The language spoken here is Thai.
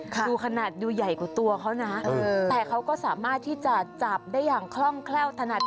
ดูขนาดดูใหญ่กว่าตัวเขานะแต่เขาก็สามารถที่จะจับได้อย่างคล่องแคล่วถนัด